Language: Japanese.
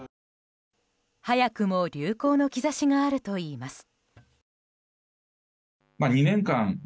早くも流行の兆しがあるといいます。